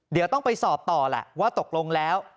เดี๋ยวต้องไปสอบต่อแหละว่าตกลงแล้ว